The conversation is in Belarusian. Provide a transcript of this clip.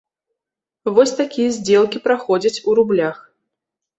Вось такія здзелкі праходзяць у рублях.